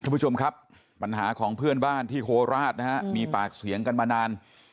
คุณผู้ชมครับปัญหาของเพื่อนบ้านที่โคราชนะฮะมีปากเสียงกันมานาน